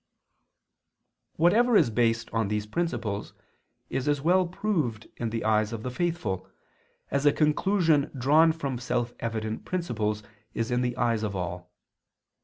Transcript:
Whatever is based on these principles is as well proved in the eyes of the faithful, as a conclusion drawn from self evident principles is in the eyes of all.